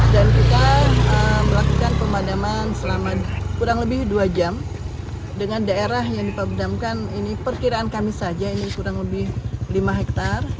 dan kita melakukan pemadaman selama kurang lebih dua jam dengan daerah yang dipadamkan ini perkiraan kami saja ini kurang lebih lima hektare